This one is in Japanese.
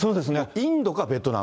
インドかベトナム。